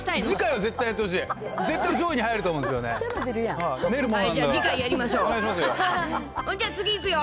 次回は絶対やってほしい。